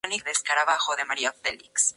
La voz es interpretada por Alan Rickman.